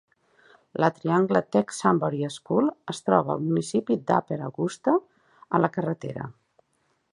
La Triangle Tech Sunbury School es troba al municipi d'Upper Augusta, a la carretera